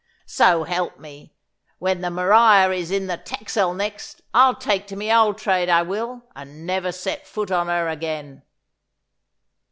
So help me, when the Maria is in the Texel next, I'll take to my old trade, I will, and never set foot on her again.